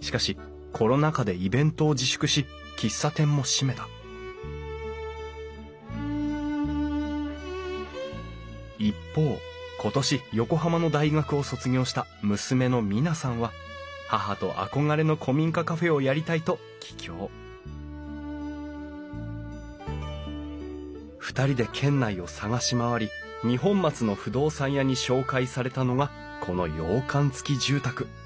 しかしコロナ禍でイベントを自粛し喫茶店も閉めた一方今年横浜の大学を卒業した娘の美奈さんは母と憧れの古民家カフェをやりたいと帰郷２人で県内を探し回り二本松の不動産屋に紹介されたのがこの洋館付き住宅。